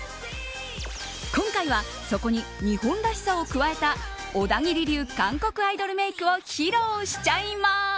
今回はそこに日本らしさを加えた小田切流韓国アイドルメイクを披露しちゃいます。